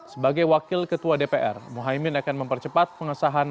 sebagai wakil ketua dpr muhaymin akan mempercepat pengesahan